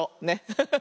ハハハハ。